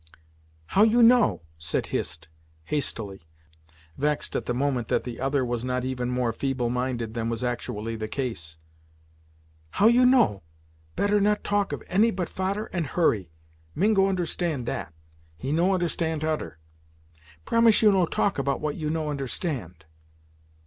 "How you know?" said Hist, hastily, vexed at the moment that the other was not even more feeble minded than was actually the case. "How you know? Better not talk of any but fader and Hurry Mingo understand dat; he no understand t'udder. Promise you no talk about what you no understand."